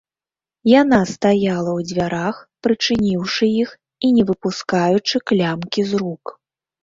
Яна стаяла ў дзвярах, прычыніўшы іх і не выпускаючы клямкі з рук.